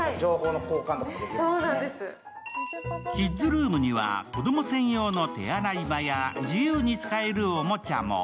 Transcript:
キッズルームには子供専用の手洗い場や自由に使えるおもちゃも。